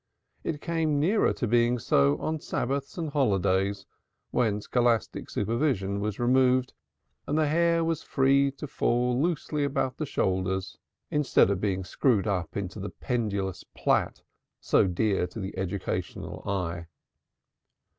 It came nearer being so on Sabbaths and holidays when scholastic supervision was removed and the hair was free to fall loosely about the shoulders instead of being screwed up into the pendulous plait so dear to the educational eye.